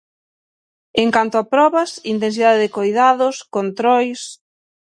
En canto a probas, intensidade de coidados, controis...